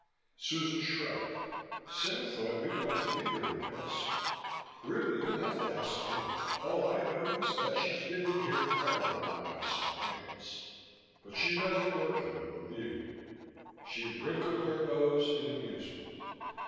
Susan shrugged. "Sam thought you'd like to meet her, I guess. Really, you'll have to ask him. All I know is that she's been in here quite a lot about some claims. But she doesn't work here, believe me." She wrinkled her nose in amusement.